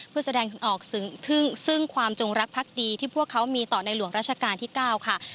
เพื่อแสดงออกซึ่งความจงรักพักดีที่พวกเขามีต่อในหลวงราชการที่๙ค่ะ